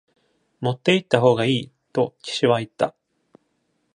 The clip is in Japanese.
「持って行った方がいい」と騎士は言った。